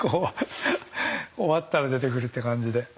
終わったら出て来るって感じで。